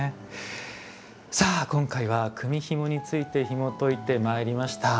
さあ今回は組みひもについてひもといてまいりました。